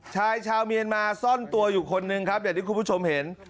ชายชาวเมียนมาซ่อนตัวอยู่คนนึงครับอย่างที่คุณผู้ชมเห็น